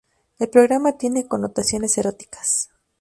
El programa tiene connotaciones eróticas.